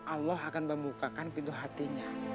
allah akan membukakan pintu hatinya